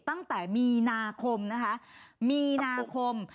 ตั้งแต่มีนาคมนะคะมีนาคม